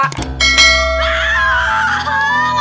bukannya bela yang tika